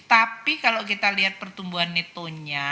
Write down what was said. tapi kalau kita lihat pertumbuhan netonya